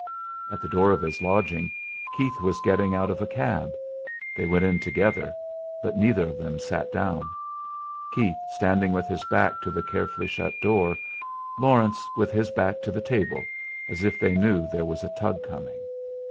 At the door of his lodgings Keith was getting out of a cab. They went in together, but neither of them sat down; Keith standing with his back to the carefully shut door, Laurence with his back to the table, as if they knew there was a tug coming.